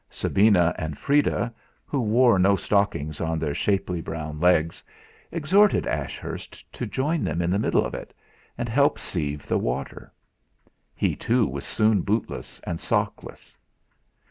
Sabina and Freda, who wore no stockings on their shapely brown legs, exhorted Ashurst to join them in the middle of it, and help sieve the water. He too was soon bootless and sockless.